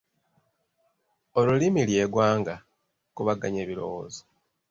"Olulimi lye ggwanga” Kubaganya ebirowoozo.